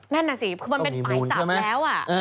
นั่นน่ะสิคือมันเป็นหมายจับแล้ว